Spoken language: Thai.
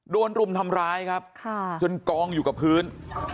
รุมทำร้ายครับจนกองอยู่กับพื้น